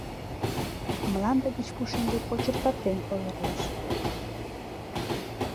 Мланде гыч пушеҥге кочыртатен ойырлыш.